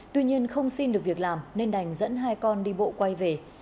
tuy nhiên không xin được việc làm nên đành dẫn hai con đi bộ quay về